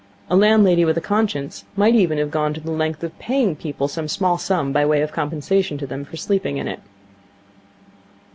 A landlady with a conscience might even have gone to the length of paying people some small sum by way of compensation to them for sleeping in it.